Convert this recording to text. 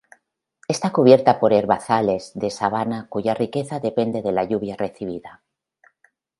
Está cubierta por herbazales de sabana cuya riqueza depende de la lluvia recibida.